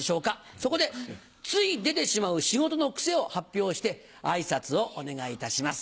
そこでつい出てしまう仕事の癖を発表して挨拶をお願いいたします。